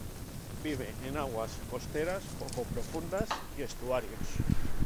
Vive en aguas costeras poco profundas y estuarios.